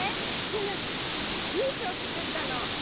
ジムリースをつくったの」。